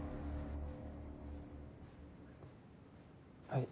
はい。